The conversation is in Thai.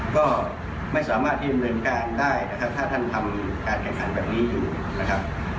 ก็ไม่สามารถที่ดำเนินการได้นะครับถ้าท่านทำการแข่งขันแบบนี้อยู่นะครับ